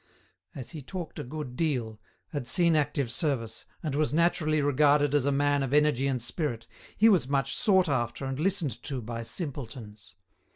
As he talked a good deal, had seen active service, and was naturally regarded as a man of energy and spirit, he was much sought after and listened to by simpletons.